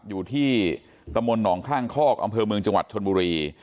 อยู่ที่ตำบลหนองข้างคอกอำเภอเมืองจังหวัดชนบุรี